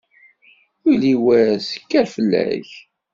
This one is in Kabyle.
Yuli wass, kker fell-ak!